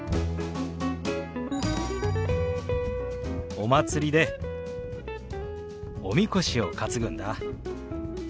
お祭りでおみこしを担ぐんだ。